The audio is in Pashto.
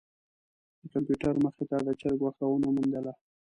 د کمپیوټر مخې ته د چرک غوښه ونه موندله.